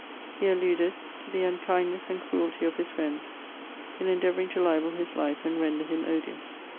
He alluded to the unkindness and cruelty of his friend, in endeavouring to libel his life and render him odious.